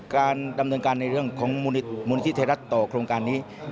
การดำเนินการในเรื่องของมูลที่ไทยรัฐต่อโครงการนี้